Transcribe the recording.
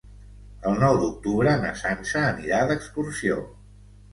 El nou d'octubre na Sança anirà d'excursió.